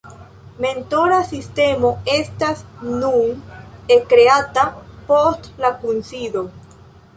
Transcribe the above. Mentora sistemo estas nun ekkreata post la kunsido.